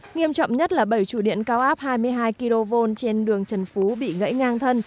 nghiêm trọng nhất là bảy trụ điện cao áp hai mươi hai kv trên đường trần phú bị gãy ngang thân